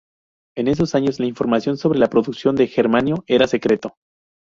En esos años, la información sobre la producción de germanio era secreto.